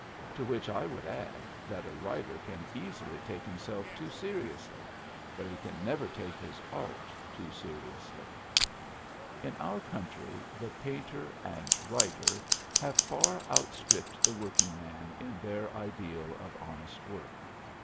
To which I would add, that a writer can easily take himself too seriously, but he can never take his art too seriously. In our country, the painter and writer Digitized by VjOOQIC PREFACE 19 have far outstripped the working man in their ideal of honest work.